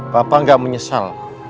papa gak menyesal